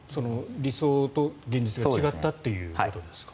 理想と現実が違ったということですか。